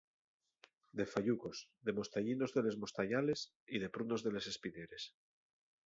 De fayucos, de mostayinos de les mostayales y de prunos de les espineres.